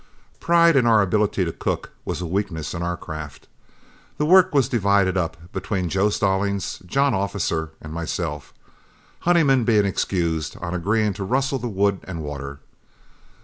Pride in our ability to cook was a weakness in our craft. The work was divided up between Joe Stallings, John Officer, and myself, Honeyman being excused on agreeing to rustle the wood and water.